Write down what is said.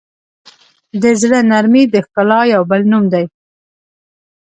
د زړه نرمي د ښکلا یو بل نوم دی.